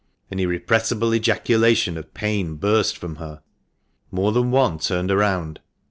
" An irrepressible ejaculation of pain burst from her. More than one turned round.